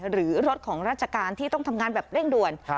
หรือรถของราชการที่ต้องทำงานแบบเร่งด่วน